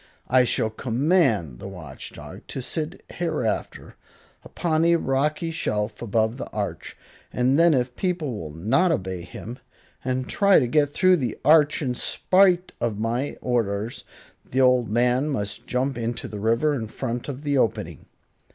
I shall command the Watch Dog to sit hereafter upon a rocky shelf above the arch, and then if people will not obey him, and try to get through the arch in spite of my orders, the old man must jump into the river in front of the opening.